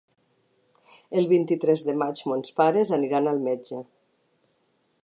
El vint-i-tres de maig mons pares aniran al metge.